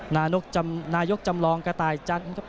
นายกจำรองกระต่ายช่างครับ